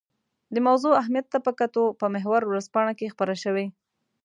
د موضوع اهمیت ته په کتو په محور ورځپاڼه کې خپره شوې.